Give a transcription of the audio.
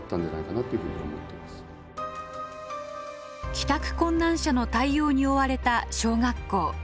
帰宅困難者の対応に追われた小学校。